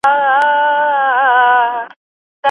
د اداری سیستم اصلاح کول ډېرې ښې پایلې لري.